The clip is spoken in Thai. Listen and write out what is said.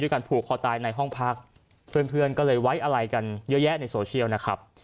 การผูกคอตายในห้องพักเพื่อนเพื่อนก็เลยไว้อะไรกันเยอะแยะในโซเชียลนะครับ